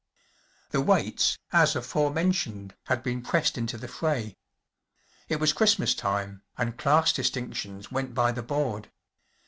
The waits, as aforementioned, had been pressed into the fray. It was Christmas time, and class distinctions went by the board.